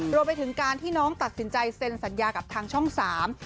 รวมไปถึงการที่น้องตัดสินใจเซ็นสัญญากับทางช่องสาม